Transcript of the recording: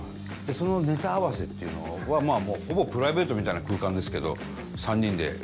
そのネタ合わせっていうのはまぁほぼプライベートみたいな空間ですけど。